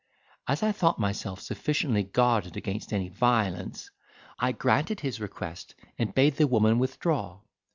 As I thought myself sufficiently guarded against any violence, I granted his request, and bade the woman withdraw.